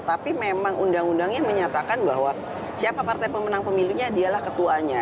tapi memang undang undangnya menyatakan bahwa siapa partai pemenang pemilunya dialah ketuanya